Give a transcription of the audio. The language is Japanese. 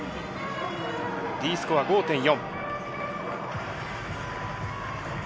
Ｄスコア５．４。